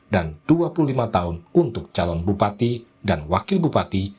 dan dua puluh lima tahun untuk calon bupati dan wakil bupati